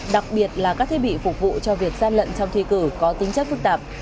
đặc biệt là các thiết bị phục vụ cho việc gian lận trong thi cử có tính chất phức tạp